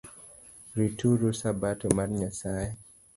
Rituru sabato mar Nyasaye